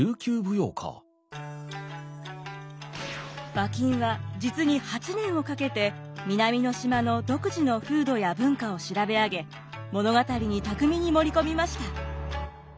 馬琴は実に８年をかけて南の島の独自の風土や文化を調べ上げ物語に巧みに盛り込みました。